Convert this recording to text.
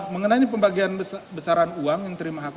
mengenai pembagian besaran uang yang terima hk